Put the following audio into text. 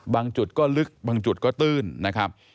จุดก็ลึกบางจุดก็ตื้นนะครับ